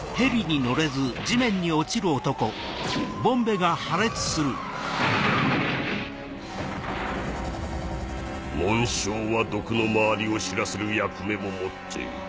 衝突音爆発音紋章は毒の回りを知らせる役目も持っている。